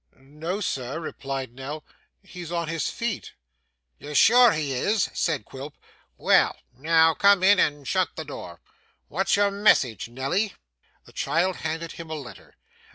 'No, sir,' replied Nell. 'He's on his feet.' 'You're sure he is?' said Quilp. 'Well. Now, come in and shut the door. What's your message, Nelly?' The child handed him a letter.